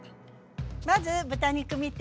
まず豚肉見て。